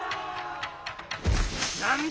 何だ？